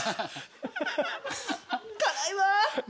か辛いわ。